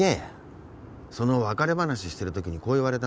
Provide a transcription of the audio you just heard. その別れ話してる時にこう言われたんだ。